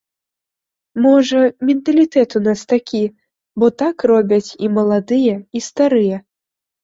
Можа, менталітэт у нас такі, бо так робяць і маладыя, і старыя.